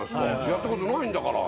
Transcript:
やったことないんだから。